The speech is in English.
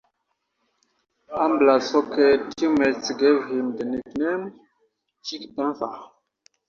Ambrus' hockey teammates gave him the nickname Chicky Panther.